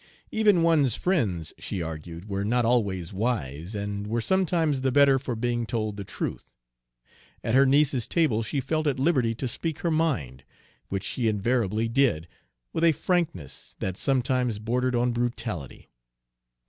Even one's friends, she argued, were not always wise, and were sometimes the better for being told the truth. At her niece's table she felt at liberty to speak her mind, which she invariably did, with a frankness that sometimes bordered on brutality.